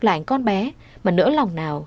là ảnh con bé mà nỡ lòng nào